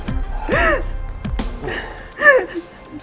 oke mama tenang ya